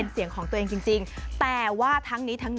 ไม่นะไม่ได้ยิน